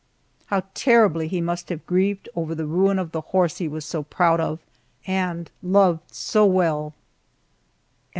How terribly he must have grieved over the ruin of the horse he was so proud of, and loved so well!